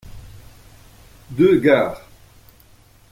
Deux gares.